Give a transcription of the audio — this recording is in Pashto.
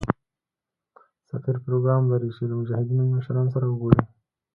سفیر پروګرام لري چې له مجاهدینو مشرانو سره وګوري.